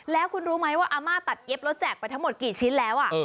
แล้วคุณรู้ไหมว่าอาม่าตัดเย็บแล้วแจกไปทั้งหมดกี่ชิ้นแล้ว